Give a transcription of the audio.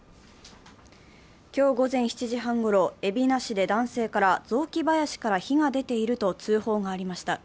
今日午前７時半ごろ、海老名市で男性から雑木林から火が出ていると通報がありました。